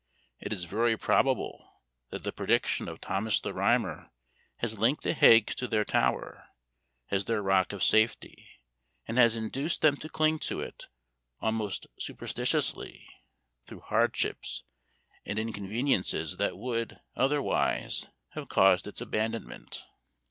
It is very probable that the prediction of Thomas the Rhymer has linked the Haigs to their tower, as their rock of safety, and has induced them to cling to it almost superstitiously, through hardships and inconveniences that would, otherwise, have caused its abandonment.